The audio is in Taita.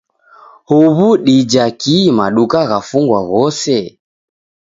Huw'u dija kii maduka ghafungwa ghose?